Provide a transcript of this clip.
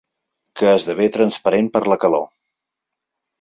Que esdevé transparent per la calor.